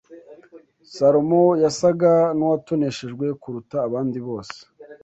Salomo yasaga n’uwatoneshejwe kuruta abandi bose